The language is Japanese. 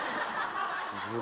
うわ！